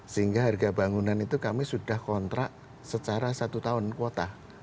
sehingga harga bangunan itu kami sudah kontrak secara satu tahun kuota